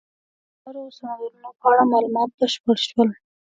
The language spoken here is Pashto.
د لارو او سمندرونو په اړه معلومات بشپړ شول.